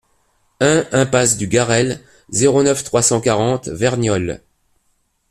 un impasse du Garrel, zéro neuf, trois cent quarante Verniolle